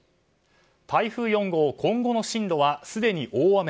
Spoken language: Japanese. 台風４号今後の進路はすでに大雨。